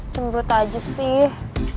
cemburu aja sih